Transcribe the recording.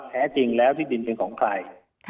แท้จริงแล้วที่ดินเป็นของใคร